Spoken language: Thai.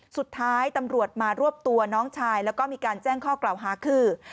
สุดท้ายตำรวจมารวบตัวน้องชายแล้วก็มีการแจ้งข้อกล่าวหาคือ